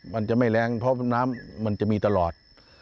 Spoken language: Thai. มันจะไม่แรงเพราะน้ำมันจะมีตลอด